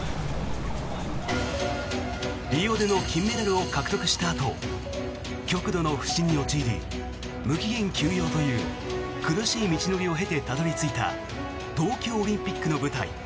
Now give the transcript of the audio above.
リオでの金メダルを獲得したあと極度の不振に陥り無期限休養という苦しい道のりを経てたどり着いた東京オリンピックの舞台。